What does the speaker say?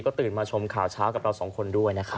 ตื่นมาชมข่าวเช้ากับเราสองคนด้วยนะครับ